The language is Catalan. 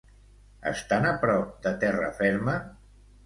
Estan a prop de terra ferma?